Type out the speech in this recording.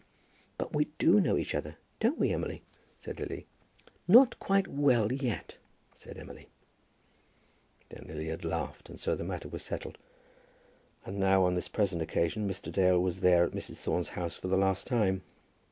"But we do know each other; don't we, Emily?" said Lily. "Not quite well yet," said Emily. Then Lily had laughed, and so the matter was settled. And now, on this present occasion, Mr. Dale was at Mrs. Thorne's house for the last time.